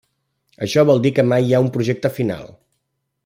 Això vol dir que mai hi ha un projecte final.